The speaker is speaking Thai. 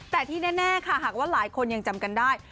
แต่ที่แน่ค่ะหากว่าหลายคนยังจำกันได้